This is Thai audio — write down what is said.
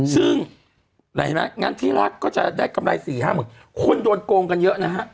ซึ่งที่รักก็จะได้กำไร๔๕หมื่นคนโดนโกงกันเยอะนะฮะ